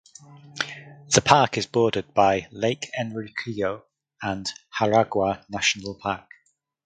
The park is bordered by Lake Enriquillo and Jaragua National Park.